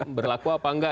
masih berlaku apa enggak